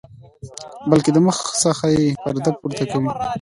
بلکې د مخ څخه یې پرده پورته کوي.